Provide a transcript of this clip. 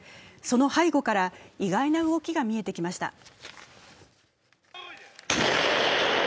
その背後から意外な動きが見えてきました。